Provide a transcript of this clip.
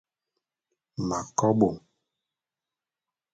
M'akobô.